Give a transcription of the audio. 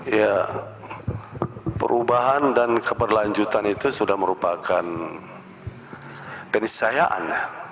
ya perubahan dan keperlanjutan itu sudah merupakan kenisayaan